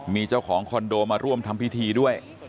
มีเจ้าของคอนโดมาร่วมทำพิธีด้วย